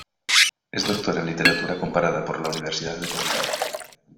Es doctora en Literatura Comparada por la Universidad de Cornell.